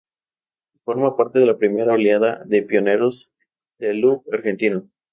Forma parte de la primera oleada de pioneros del rock argentino.